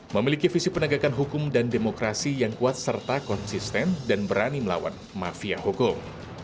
memiliki visi penegakan hukum dan demokrasi yang kuat serta konsisten dan berani melawan mafia hukum